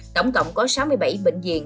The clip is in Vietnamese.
tổng cộng có sáu mươi bảy bệnh viện